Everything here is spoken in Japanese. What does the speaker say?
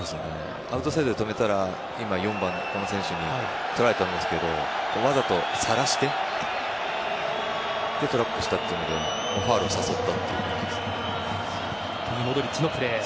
アウトサイドで止めたら今、４番の選手にとられてたんですけどわざとさらしてトラップしたというのでファウルにさせたと。というモドリッチのプレー。